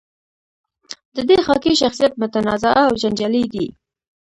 د دې خاکې شخصیت متنازعه او جنجالي دی.